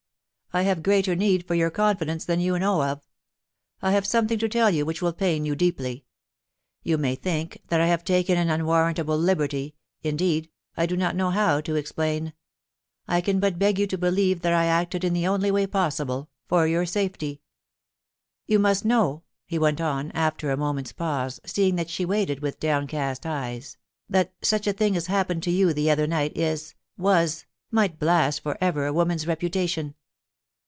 I have greater need for your confidence than you know of. I have something to tell you which will pain you deeply. You may think that I have taken an unwarrantable liberty — in deed, I do not know how to explain. I can but beg you to believe that I acted in the only way possible — for your safety. 382 POLICY AND PASSION. ... You must know/ he went on, after a moment's pause, seeing that she waited with downcast eyes, 'that such a thing as happened to you the other night is — was — might blast for ever a woman's reputation.